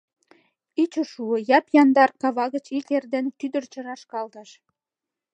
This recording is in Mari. Ӱчӧ шуо: яп-яндар кава гыч Ик эрдене «кӱдырчӧ» рашкалтыш.